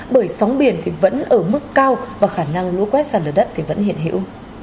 bởi sóng biển vẫn ở mức cao và khả năng lũ quét sàn lửa đất vẫn hiện hữu